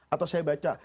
atau saya baca